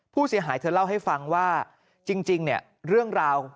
ผู้เสียหายเธอเล่าให้ฟังว่าจริงเนี่ยเรื่องราว